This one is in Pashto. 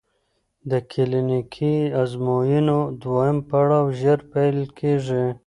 د کلینیکي ازموینو دویم پړاو ژر پیل کېږي.